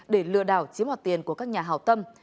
để lừa đảo chiếm hoạt tiền của các nhà hào tâm